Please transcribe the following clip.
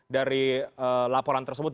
dari laporan tersebut